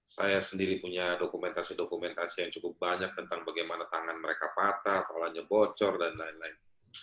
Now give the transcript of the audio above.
saya sendiri punya dokumentasi dokumentasi yang cukup banyak tentang bagaimana tangan mereka patah polanya bocor dan lain lain